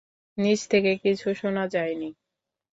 নিচ থেকে কিচ্ছু শোনা যায়নি।